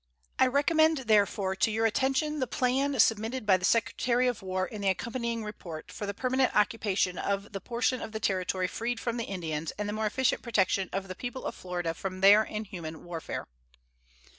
I recommend, therefore, to your attention the plan submitted by the Secretary of War in the accompanying report, for the permanent occupation of the portion of the Territory freed from the Indians and the more efficient protection of the people of Florida from their inhuman warfare.